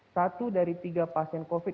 satu dari tiga pasien covid sembilan belas